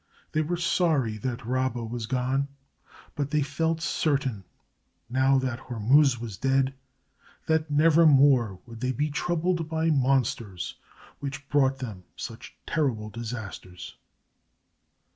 They were sorry that Rabba was gone, but they felt certain now that Hormuz was dead, that nevermore would they be troubled by monsters which brought them such terrible disasters.